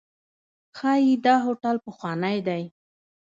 ښایي دا هوټل پخوانی دی.